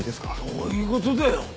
どういうことだよ！